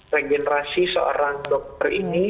regenerasi seorang dokter ini